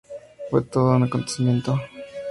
Fue todo un acontecimiento.